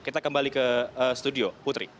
kita kembali ke studio putri